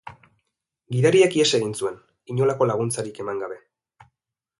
Gidariak ihes egin zuen, inolako laguntzarik eman gabe.